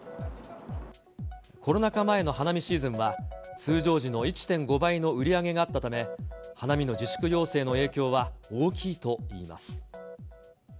コロナ禍前の花見シーズンは、通常時の１．５倍の売り上げがあったため、花見の自粛要請の影響は大きいといいます。